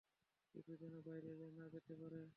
কিছু যেন বাইরে না যেতে পারে।